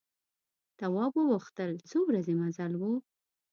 تواب وپوښتل څو ورځې مزل و.